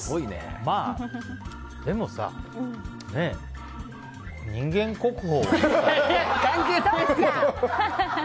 まあでもさ、人間国宝。